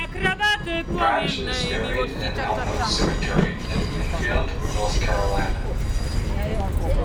Branch is buried in Elmwood Cemetery in Enfield, North Carolina.